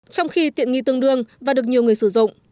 trong khi tiện nghi tương đương và được nhiều người sử dụng